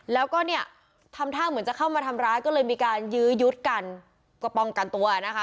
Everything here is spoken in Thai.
แล้วก็เนี่ยทำท่าเหมือนจะเข้ามาทำร้ายก็เลยมีการยื้อยุดกันก็ป้องกันตัวนะคะ